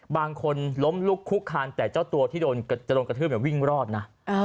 บางคนล้มลุกคุกคานแต่เจ้าตัวที่โดนจะโดนกระทืบวิ่งรอดนะ